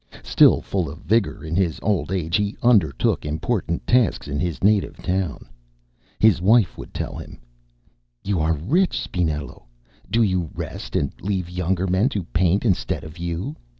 Still full of vigour in his old age, he undertook important tasks in his native town. His wife would tell him: "You are rich, Spinello. Do you rest, and leave younger men to paint instead of you.